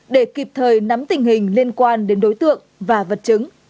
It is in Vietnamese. để kịp thời nắm tình hình liên quan đến đối tượng và vật chứng